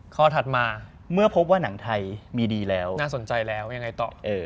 ถัดมาเมื่อพบว่าหนังไทยมีดีแล้วน่าสนใจแล้วยังไงต่อเอ่อ